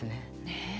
ねえ。